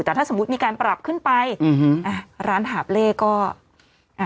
แต่ถ้าสมมุติมีการปรับขึ้นไปอืมอ่ะร้านหาบเล่ก็อ่า